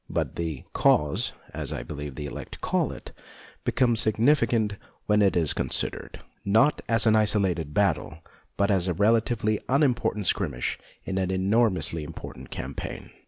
But the " cause," as I believe the elect call it, becomes significant when it is considered, not as an isolated battle, but as a relatively unim portant skirmish in an enormously important campaign.